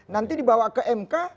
nanti dibawa ke mk